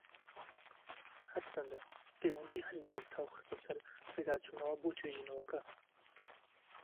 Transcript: هەرچەندە، پەیوەندی هەن بۆ چاو خستنە سەر پێداچونەوە بۆ توێژینەوەکە.